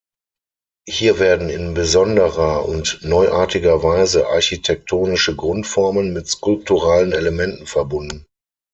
Hier werden in besonderer und neuartiger Weise architektonische Grundformen mit skulpturalen Elementen verbunden.